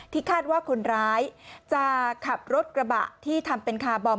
คาดว่าคนร้ายจะขับรถกระบะที่ทำเป็นคาร์บอม